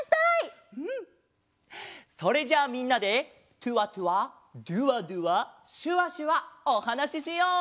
それじゃあみんなでテュワテュワデュワデュワシュワシュワおはなししよう！